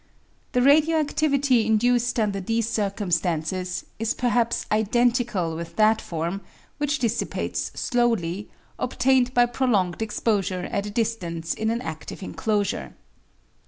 The radio adivity induced under these circumstances is perhaps identical with that form, which dissipates slowly, obtained by prolonged exposure at a dis tance in an adive enclosure.